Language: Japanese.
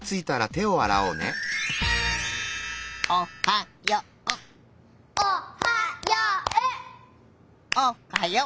おはよう！